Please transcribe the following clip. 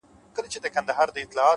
علم د فکرونو نړۍ روښانه کوي؛